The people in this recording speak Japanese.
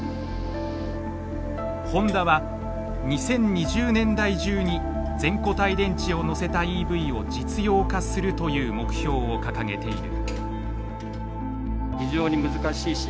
ホンダは「２０２０年代中に全固体電池を載せたＥＶを実用化する」という目標を掲げている。